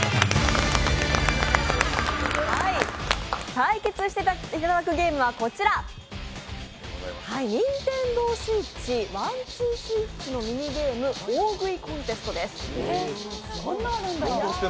対決していただくゲームはこちら、ＮｉｎｔｅｎｄｏＳｗｉｔｃｈ「１−２−Ｓｗｉｔｃｈ」のミニゲーム、「大食いコンテスト」です。